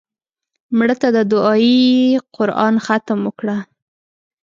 مړه ته د دعایي قرآن ختم وکړه